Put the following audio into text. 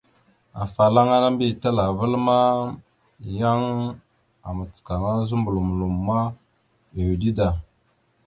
Afalaŋa mbiyez talaval ma, yan macəkana zuməɓlom loma, ʉde da.